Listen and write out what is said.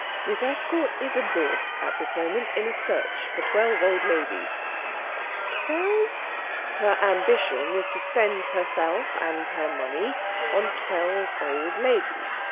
Miss Estcourt is absorbed at this moment in a search for twelve old ladies." "Twelve ?" "Her ambition is to spend herself and her money on twelve old ladies.